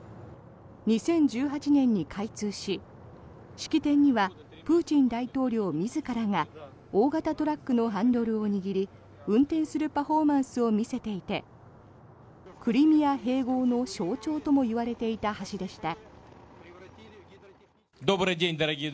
２０１８年に開通し式典にはプーチン大統領自らが大型トラックのハンドルを握り運転するパフォーマンスを見せていてクリミア併合の象徴ともいわれていた橋でした。